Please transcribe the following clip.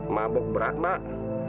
mabuk berat pak